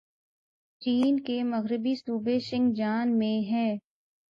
چین کے مغربی صوبے سنکیانگ میں ہے